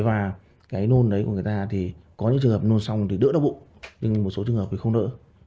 và cái nôn đấy của người ta thì có những trường hợp nôn xong thì đỡ đau bụng nhưng một số trường hợp thì không đỡ